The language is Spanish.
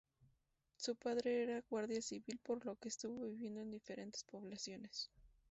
Su padre era guardia civil por lo que estuvo viviendo en diferentes poblaciones.